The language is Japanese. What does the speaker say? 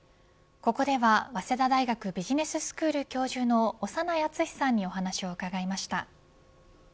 ここでは早稲田大学ビジネススクール教授の長内厚さんにお話を伺いました。